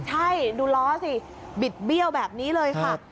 ใช่ดูล้อสิบิดเบี้ยวแบบนี้เลยค่ะ